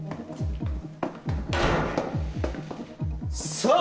・さあ